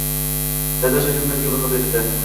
Saylov jarayonlarininga baho berdi.